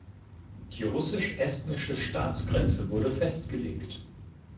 Die russisch-estnische Staatsgrenze wurde festgelegt.